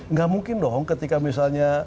nggak mungkin dong ketika misalnya